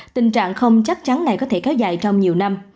tình trạng không chắc chắn này có thể kéo dài trong nhiều năm